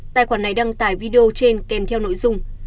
tài khoản này đăng tải video trên kèm theo nội dung